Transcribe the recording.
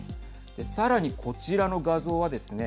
さらに、こちらの画像はですね